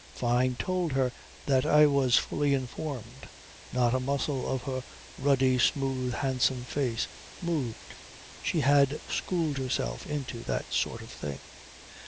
Fyne told her that I was fully informed. Not a muscle of her ruddy smooth handsome face moved. She had schooled herself into that sort of thing.